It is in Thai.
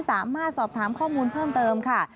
สามารถสอบถามข้อมูลเพิ่มเติมค่ะ